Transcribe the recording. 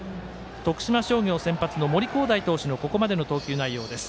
徳島商業先発の森煌誠投手のここまでの投球内容です。